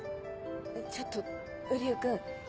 ちょっと瓜生君あの。